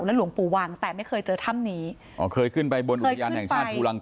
หลวงปู่วังแต่ไม่เคยเจอถ้ำนี้อ๋อเคยขึ้นไปบนอุทยานแห่งชาติภูลังกา